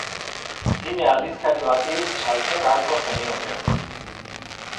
Zine-aldizkari bati saltzen ahalko zenioke.